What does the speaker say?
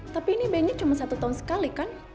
tapi ini bandnya cuma satu tahun sekali kan